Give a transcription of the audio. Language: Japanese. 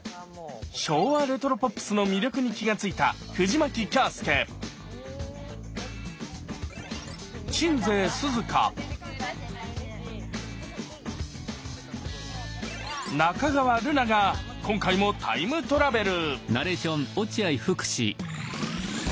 昭和レトロポップスの魅力に気がついたが今回もタイムトラベル！